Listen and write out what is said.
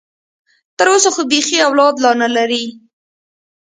تر اوسه خو بيخي اولاد لا نه لري.